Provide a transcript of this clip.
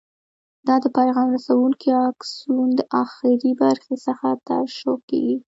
دا د پیغام رسونکي آکسون د اخري برخې څخه ترشح کېږي.